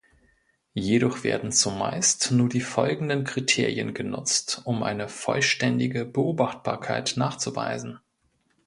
Jedoch werden zumeist nur die folgenden Kriterien genutzt, um eine vollständige Beobachtbarkeit nachzuweisen.